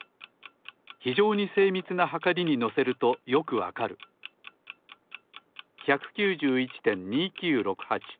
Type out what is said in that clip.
ひじょうにせいみつなはかりにのせるとよくわかる。１９１．２９６８。